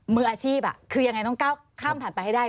มืออาชีพคือยังไงต้องก้าวข้ามผ่านไปให้ได้